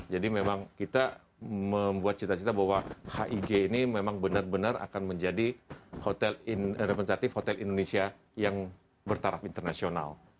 jadi memang kita membuat cita cita bahwa hig ini memang benar benar akan menjadi hotel resipentatif hotel indonesia yang bertaraf internasional